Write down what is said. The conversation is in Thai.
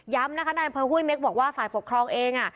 ย้ำนะคะนายอัมเภอหุ้ยเม็กซ์บอกว่าฝ่ายปกครองเองอ่ะ